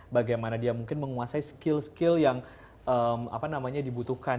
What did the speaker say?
bagaimana dia mungkin menguasai skill skill yang dibutuhkan